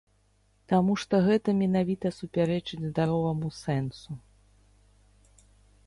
Таму што гэта менавіта супярэчыць здароваму сэнсу.